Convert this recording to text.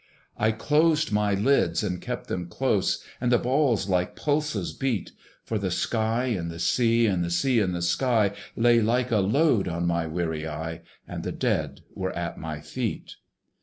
I closed my lids, and kept them close, And the balls like pulses beat; For the sky and the sea, and the sea and the sky Lay like a load on my weary eye, And the dead were at my feet.